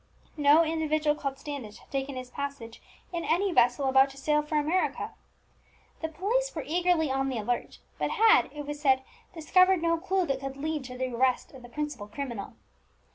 No individual called Standish had taken his passage in any vessel about to sail for America. The police were eagerly on the alert, but had, it was said, discovered no clue that could lead to the arrest of the principal criminal.